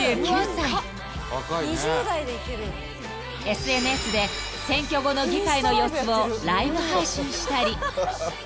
［ＳＮＳで選挙後の議会の様子をライブ配信したり］